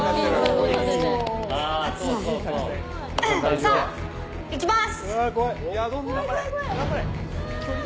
さあ、行きます！